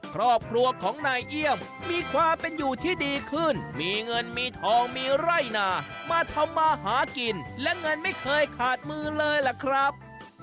ครอบครัวของนายเอี่ยมมีความเป็นอยู่ที่ดีขึ้นมีเงินมีทองมีไร่นามาทำมาหากินและเงินไม่เคยขาดมือเลยล่ะครับ